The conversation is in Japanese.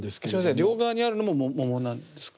両側にあるのも桃なんですか？